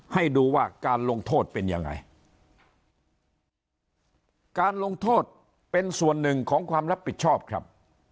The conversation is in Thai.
ให้ดูว่าการลงโทษเป็นยังไงการลงโทษเป็นส่วนหนึ่งของความรับผิดชอบครับ